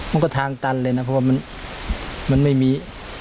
มันก็ทางตันเลยนะเพราะว่ามันไม่มี